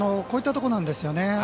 こういったところなんですよね。